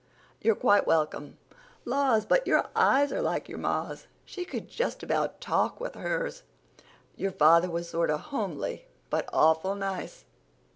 "You're quite welcome. Laws, but your eyes is like your ma's. She could just about talk with hers. Your father was sorter homely but awful nice.